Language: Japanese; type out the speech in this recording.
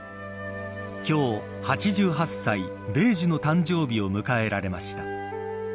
今日、８８歳米寿の誕生日を迎えられました。